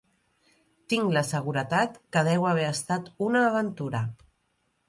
Tinc la seguretat que deu haver estat una aventura.